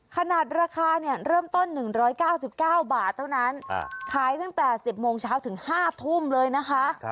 ขนาดราคาเริ่มต้น๑๙๙บาทเท่านั้นขายตั้งแต่๑๐โมงเช้าถึง๕ทุ่มเลยนะคะ